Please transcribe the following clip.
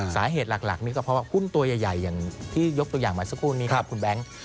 สาเหตุหลักนี่ก็เพราะว่าหุ้นตัวใหญ่อย่างที่ยกตัวอย่างมาสักครู่นี้ครับคุณแบงค์